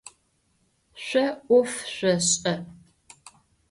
Şso 'of şsoş'e.